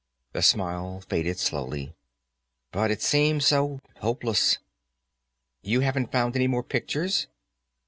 The smile faded slowly. "But it seems so hopeless." "You haven't found any more pictures?"